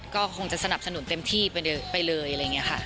ก็คงจะสนับสนุนเต็มที่ไปเลยอะไรอย่างนี้ค่ะ